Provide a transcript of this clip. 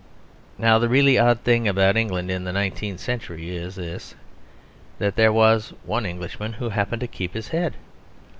Now the really odd thing about England in the nineteenth century is this that there was one Englishman who happened to keep his head.